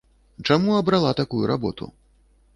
Чаму абрала такую работу?